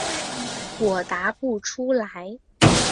我答不出来。